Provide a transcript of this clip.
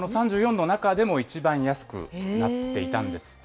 ３４の中でも一番安くなっていたんですね。